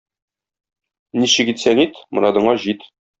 Ничек итсәң ит, морадыңа җит!